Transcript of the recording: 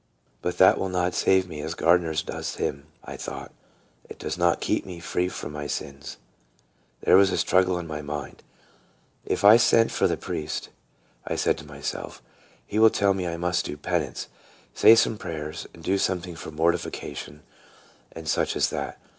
" But that will not save me as Gardner's does him," I thought ;" it does not keep me free from my sins." There was BEHOLD, HE PRA YETH. 25 a struggle in my mind. " If I send for the priest," I said to myself, " he will tell me I must do penance, say so many prayers, and do something for mortification, and such as that.